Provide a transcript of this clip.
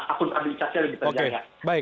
akuntabilitasnya lebih terjangkau